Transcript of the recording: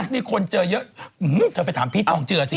เธอไปถามพี่ถองเจอสิ